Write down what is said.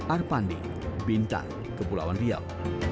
arpandi bintang kepulauan riau